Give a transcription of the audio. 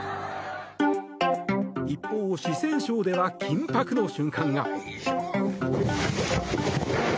一方、四川省では緊迫の瞬間が。